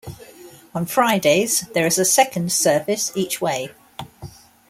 On Fridays there is a second service each way.